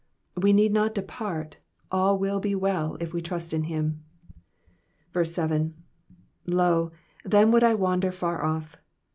We^ need not depart ; all will be well if we trust in him. 7. ''Lo, then would I wander far off.'